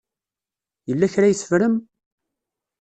Yella kra ay teffrem?